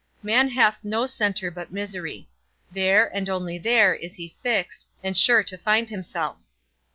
Man hath no centre but misery; there, and only there, he is fixed, and sure to find himself.